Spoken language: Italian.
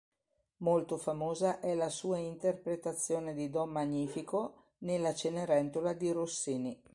Molto famosa è la sua interpretazione di "Don Magnifico" ne La Cenerentola di Rossini.